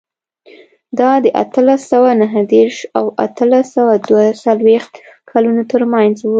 دا د اتلس سوه نهه دېرش او اتلس سوه دوه څلوېښت کلونو ترمنځ و.